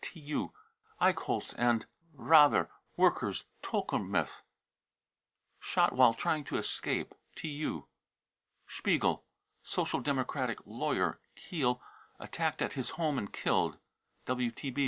(TU.) eichholz and Father, workers, Tplkemith, sc shot while trying to escape." (TU.) spiegel, Social Democratic lawyer, Kiel, attacked at his home and killed.